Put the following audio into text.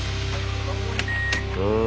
うん。